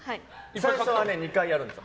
最初は２回やるんです。